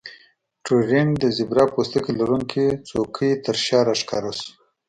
ټورینګ د زیبرا پوستکي لرونکې څوکۍ ترشا راښکاره شو